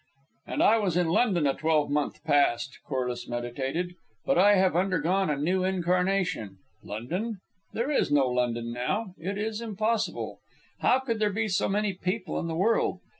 "And I was in London a twelvemonth past," Corliss meditated. "But I have undergone a new incarnation. London? There is no London now. It is impossible. How could there be so many people in the world?